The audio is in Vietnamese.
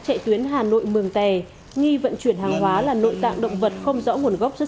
chạy tuyến hà nội mường tè nghi vận chuyển hàng hóa là nội tạng động vật không rõ nguồn gốc xuất